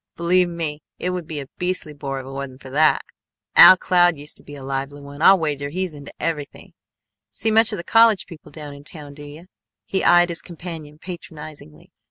Believe me, it would be a beastly bore if it wasn't for that. Al Cloud used to be a lively one. I'll wager he's into everything. See much of the college people down in town do you?" He eyed his companion patronizingly.